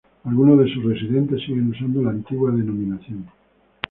Algunos de sus residentes siguen usando la antigua denominación.